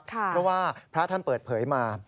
เพราะว่าพระท่านเปิดเผยมา